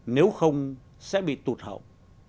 nếu không sẽ bị tụt hậu